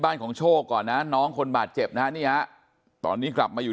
ของโชคก่อนนะน้องคนบาดเจ็บนะฮะนี่ฮะตอนนี้กลับมาอยู่